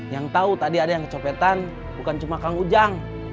yang tahu tadi ada yang kecopetan bukan cuma kang ujang